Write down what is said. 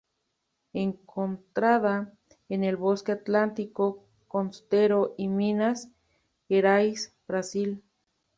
Encontrada en el bosque atlántico costero y Minas Gerais, Brasil.